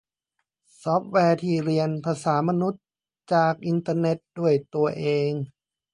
ซอฟต์แวร์ที่เรียนภาษามนุษย์จากอินเทอร์เน็ตด้วยตัวเอง